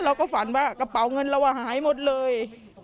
เราก็ฝันว่ากระเป๋าเงินเราหายหมดเลย